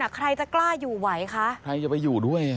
ใครจะกล้าอยู่ไหวคะใครจะไปอยู่ด้วย